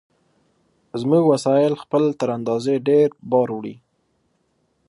زموږ وسایل خپل تر اندازې ډېر بار وړي.